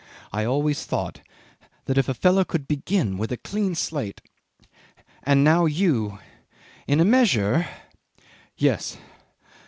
"I always thought that if a fellow could begin with a clean slate ... And now you ... in a measure ... yes